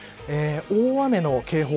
大雨の警報